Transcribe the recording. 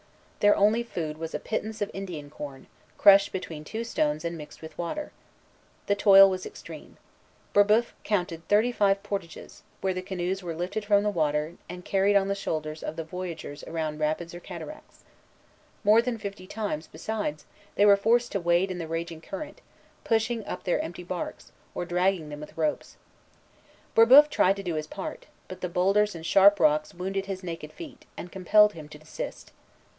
Their only food was a pittance of Indian corn, crushed between two stones and mixed with water. The toil was extreme. Brébeuf counted thirty five portages, where the canoes were lifted from the water, and carried on the shoulders of the voyagers around rapids or cataracts. More than fifty times, besides, they were forced to wade in the raging current, pushing up their empty barks, or dragging them with ropes. Brébeuf tried to do his part; but the boulders and sharp rocks wounded his naked feet, and compelled him to desist.